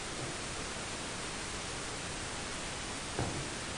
The status effect is still only about halfway done.